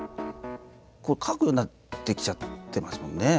書くようになってきちゃってますもんね。